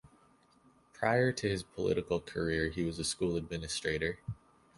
Prior to his political career, he was a school administrator.